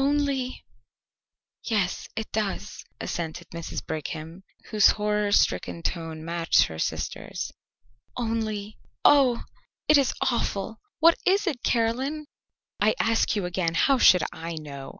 "Only " "Yes, it does," assented Mrs. Brigham, whose horror stricken tone matched her sister's, "only Oh, it is awful! What is it, Caroline?" "I ask you again, how should I know?"